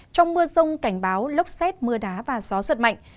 trong mưa rông cảnh báo lốc xét mưa đá và gió giật mạnh